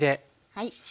はい。